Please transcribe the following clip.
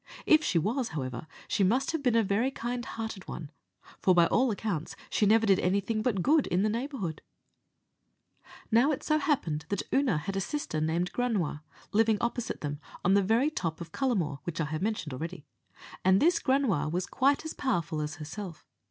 If she was, however, she must have been a kind hearted one, for, by all accounts, she never did anything but good in the neighbourhood. Now it so happened that Oonagh had a sister named Granua, living opposite them, on the very top of Cullamore, which I have mentioned already, and this Granua was quite as powerful as herself.